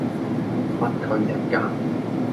不拘一格